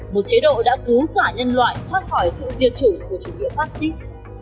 một chế độ đã cứu cả nhân loại thoát khỏi sự diệt chủng của chủ nghĩa phát xít